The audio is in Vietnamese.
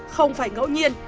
không phải ngẫu nhiên